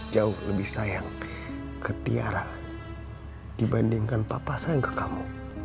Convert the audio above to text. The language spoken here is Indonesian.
jauh lebih sayang ke tiara dibandingkan papa sayang ke kamu